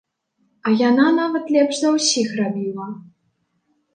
А яна нават лепш за ўсіх рабіла.